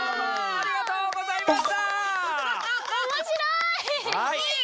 ありがとうございます！